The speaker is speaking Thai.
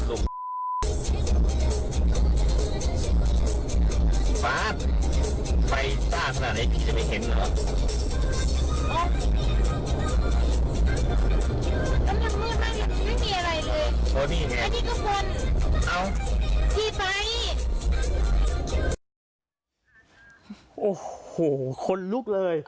โอ้โหคนลุกเลย